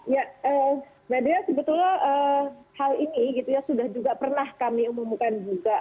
ya sebetulnya hal ini sudah juga pernah kami umumkan juga